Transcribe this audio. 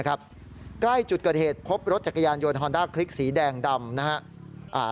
ใกล้จุดเกิดเหตุพบรถจักรยานยนต์ฮอนด้าคลิกสีแดงดำนะครับ